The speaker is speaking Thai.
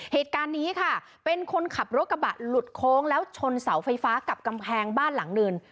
เหตุการณ์นี้ค่ะเป็นคนขับรถกระบะหลุดโค้งแล้วชนเสาไฟฟ้ากับกำแพงบ้านหลังหนึ่ง